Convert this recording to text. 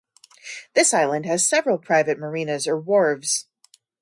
This island has several private marinas or wharves.